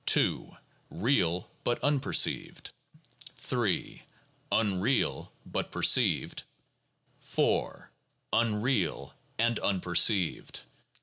(2) Real but unperceived. (3) Un real but perceived. (4) Unreal and unperceived.